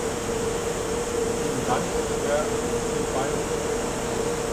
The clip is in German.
Vielen Dank, Herr Ribeiro.